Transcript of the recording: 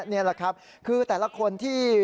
นี่แหละครับคือแต่ละคนที่